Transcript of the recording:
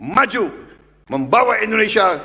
maju membawa indonesia